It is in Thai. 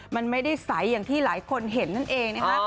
มันไม่ได้ใสอย่างที่หลายคนเห็นนั่นเองนะคะ